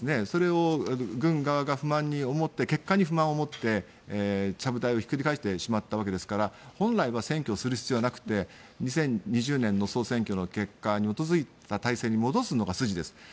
それを軍側が結果に不満に持ってちゃぶ台をひっくり返してしまったわけですから本来は選挙をする必要はなくて２０２０年の総選挙の結果に基づいた体制に戻すのが筋です。